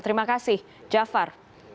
terima kasih jafar